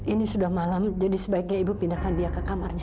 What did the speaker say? ini sudah malam jadi sebaiknya ibu pindahkan dia ke kamarnya